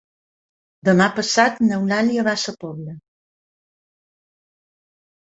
Demà passat n'Eulàlia va a Sa Pobla.